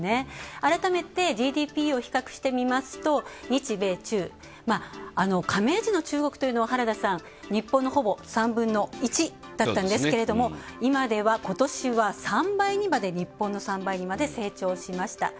改めて、ＧＤＰを比較してみますと日米中、加盟時の中国というのは日本のほぼ３分の１だったんですけれども今ではことしは日本の３倍にまで成長しました。